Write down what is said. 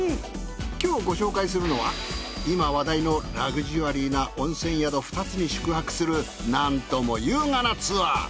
今日ご紹介するのは今話題のラグジュアリーな温泉宿２つに宿泊するなんとも優雅なツアー。